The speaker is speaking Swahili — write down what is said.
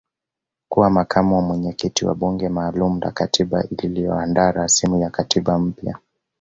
kuwa makamu mwenyekiti wa bunge maalum la katiba lililoandaa rasimu ya katiba mpya